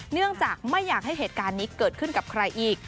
เนื่องจากไม่อยากให้เหตุการณ์นี้เกิดขึ้นกับใครอีก